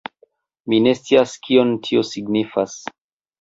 Mi ne scias kion tio signifas...